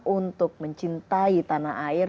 untuk mencintai tanah air